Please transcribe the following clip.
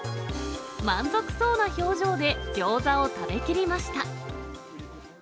満足そうな表情でギョーザを食べきりました。